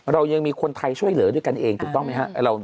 เรายังมีคนไทยช่วยเหลือด้วยกันเองถูกต้องไหมครับ